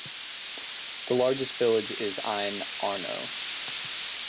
The largest village is Ine, Arno.